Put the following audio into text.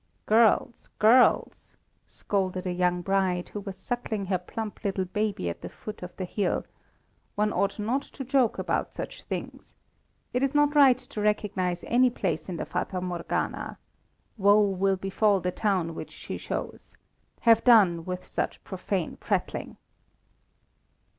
"Girls, girls!" scolded a young bride, who was suckling her plump little baby at the foot of the hill, "one ought not to joke about such things. It is not right to recognize any place in the Fata Morgana. Woe will befall the town which she shows. Have done with such profane prattling!"